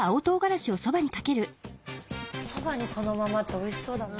そばにそのままっておいしそうだな。